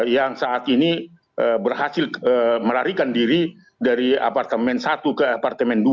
yang saat ini berhasil melarikan diri dari apartemen satu ke apartemen dua